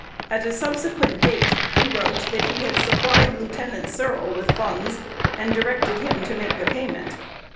At a subsequent date, he wrote that he had supplied Lieutenant Searle with funds, and directed him to make the payment.